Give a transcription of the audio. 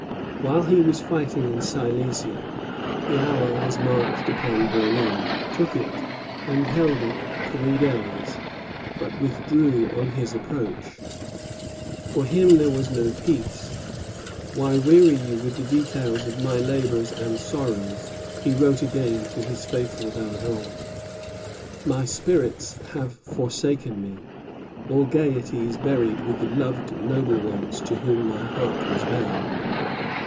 While he was fighting in Silesia, the Allies marched upon Berlin, took it, and held it three days, but withdrew on his approach. For him there was no peace. "Why weary you with the details of my labors and my sorrows?" he wrote again to his faithful D'Argens. "My spirits have forsaken me; all gayety is buried with the loved noble ones to whom my heart was bound."